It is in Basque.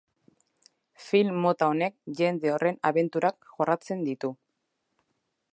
Film mota honek jende horren abenturak jorratzen ditu.